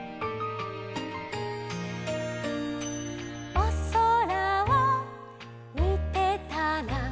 「おそらをみてたら」